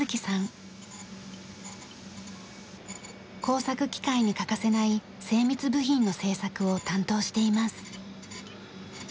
工作機械に欠かせない精密部品の製作を担当しています。